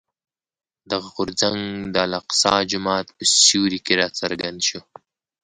دغه غورځنګ د الاقصی جومات په سیوري کې راڅرګند شو.